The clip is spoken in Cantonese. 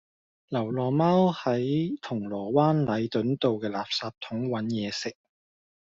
流浪貓喺銅鑼灣禮頓道嘅垃圾桶搵野食